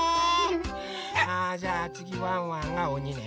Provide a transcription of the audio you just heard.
あじゃあつぎワンワンがおにね。